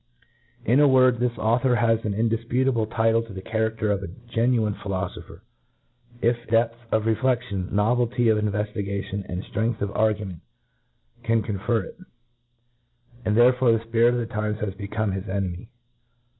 B la 10 PREFACE. In a word, this author has an indifputable title^ to the charader of a genuine philofopher, if' depth of rcfleaion^ novelty of invcftigation, and ftrcngth of argument^ can cohfer it ; and there * fore the fpirit of the times has beeome his enc^ my.